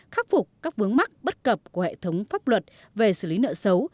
khắc phục các vướng mắc bất cập của hệ thống pháp luật về xử lý nợ xấu